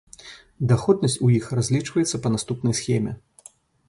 Даходнасць у іх разлічваецца па наступнай схеме.